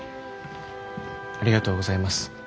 ありがとうございます。